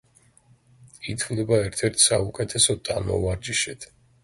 ითვლება ერთ-ერთ საუკეთესო ტანმოვარჯიშედ.